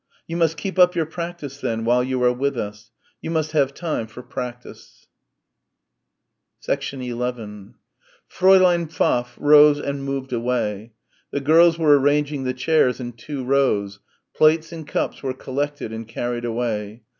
"You must keep up your practice then, while you are with us you must have time for practice." 11 Fräulein Pfaff rose and moved away. The girls were arranging the chairs in two rows plates and cups were collected and carried away.